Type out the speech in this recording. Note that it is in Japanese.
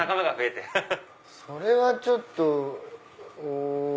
それはちょっと。